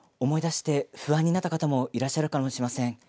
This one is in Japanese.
思い出して不安になった方もいらっしゃるかもしれません。